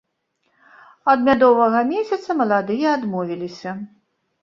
Ад мядовага месяца маладыя адмовіліся.